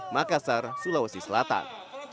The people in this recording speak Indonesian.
makassar sulawesi selatan